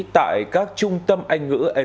tại các trung tâm anh ngữ apex